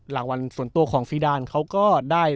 หลังวันส่วนตัวของฟีดานเขาก็ได้